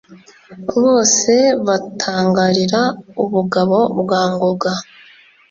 bose batangarira ubugabo bwa ngoga